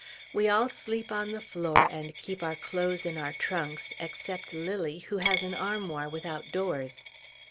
We all sleep on the floor and keep our clothes in our trunks except Lilly, who has an armoir without doors.